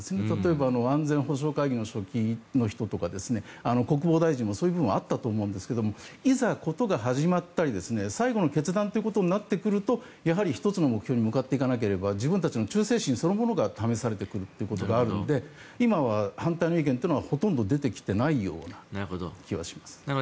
例えば安全保障会議の人とか国防大臣もそういうところはあったと思いますがいざ事が始まったり最後の決断ということになってくるとやはり１つの目標に向かっていかなければ自分たちの忠誠心そのものが試されてくるというところがあるので今は反対の意見はほとんど出てきていないような気はします。